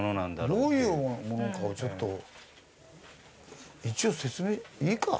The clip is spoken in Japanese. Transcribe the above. どういうものかをちょっと一応説明いいか。